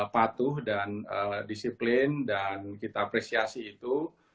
patuh dan disiplin dan kita apresiasi itu